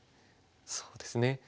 そうですね。